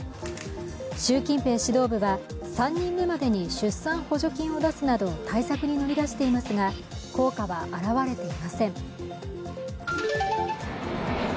習近平指導部は３人目までに出産補助金を出すなど対策に乗り出していますが効果は表れていません。